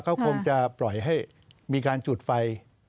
เขาคงจะปล่อยให้มีการจุดไฟ